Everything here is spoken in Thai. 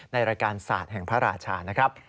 ในรายการศาสตร์แห่งพระราชานะครับ